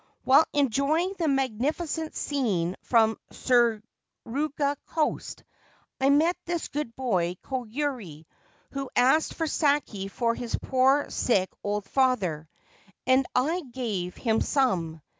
While enjoying the magnificent scene from Suruga coast I met this good boy Koyuri, who asked for sake for his poor sick old father, and I gave him some.